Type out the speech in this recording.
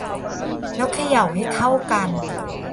แล้วเขย่าให้เข้ากัน